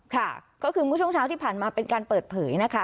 ค่ะก็คือเมื่อช่วงเช้าที่ผ่านมาเป็นการเปิดเผยนะคะ